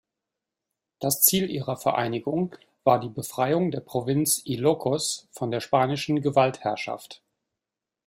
Das Ziel ihrer Vereinigung war die Befreiung der Provinz Ilocos von der spanischen Gewaltherrschaft.